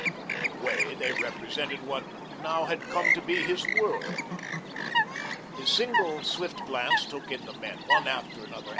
In a way they represented what now had come to be his world. His single swift glance took in the men, one after another.